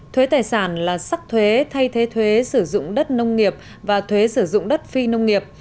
thuế tài sản là sắc thuế thay thế thuế sử dụng đất nông nghiệp và thuế sử dụng đất phi nông nghiệp